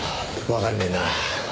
わかんねえな。